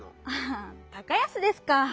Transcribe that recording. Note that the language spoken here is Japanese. ああ高安ですか。